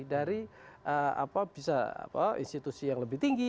dari institusi yang lebih tinggi